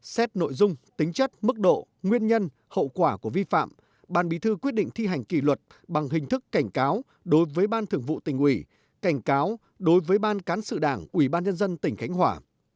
xét nội dung tính chất mức độ nguyên nhân hậu quả của vi phạm ban bí thư quyết định thi hành kỷ luật bằng hình thức cảnh cáo đối với ban thường vụ tỉnh ủy cảnh cáo đối với ban cán sự đảng ủy ban nhân dân tỉnh khánh hòa